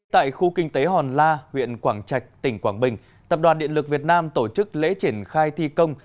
tại khu kinh tế hòn la huyện quảng trạch tỉnh quảng bình tập đoàn điện lực việt nam tổ chức lễ triển khai thi công